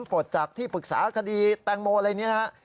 ปลดจากที่ปรึกษาคดีแตงโมอะไรนี้นะครับ